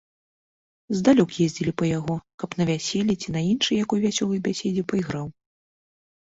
Здалёк ездзілі па яго, каб на вяселлі ці на іншай якой вясёлай бяседзе пайграў.